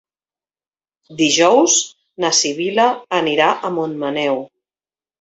Dijous na Sibil·la anirà a Montmaneu.